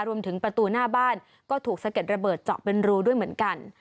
รวมถึงประตูหน้าบ้านก็ถูกสะเด็ดระเบิดเจาะเป็นรูด้วยเหมือนกัน